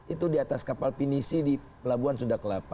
itu di atas kapal pinisi di pelabuhan sudak lapa